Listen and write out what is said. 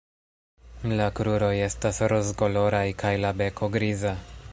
La kruroj estas rozkoloraj kaj la beko griza.